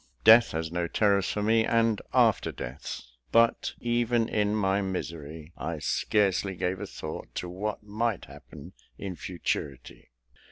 Death has no terrors for me; and, after death !" But, even in my misery, I scarcely gave a thought to what might happen in futurity.